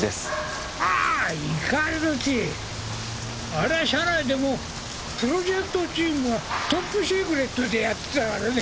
あれは社内でもプロジェクトチームがトップシークレットでやってたからね。